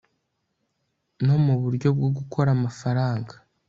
no mu buryo bwo gukora amafaranga